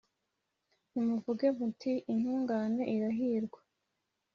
Nimuvuge muti «Intungane irahirwa,